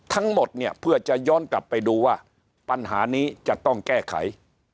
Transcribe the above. ทั้งหมดเนี่ยเพื่อจะย้อนกลับไปดูว่าปัญหานี้จะต้องแก้ไข